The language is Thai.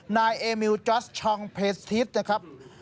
นายเอมิวจอสชองเพสทิศนะครับ